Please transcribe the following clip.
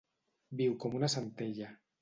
Viu com una centella.